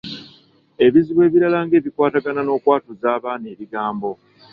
Ebizibu ebirala ng’ebikwatagana n’okwatuza abaana ebigambo.